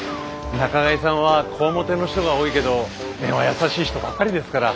仲買さんはこわもての人が多いけど根は優しい人ばっかりですから。